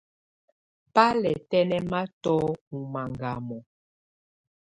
Bà lɛ̀ tɛnɛ̀matɔ̀ ù màgamɔ̀.